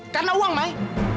karena uang mai